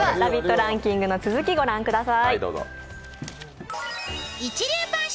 ランキングの続き御覧ください。